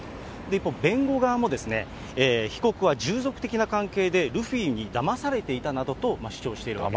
一方、弁護側も被告は従属的な関係で、ルフィにだまされていたなどと主張しているわけです。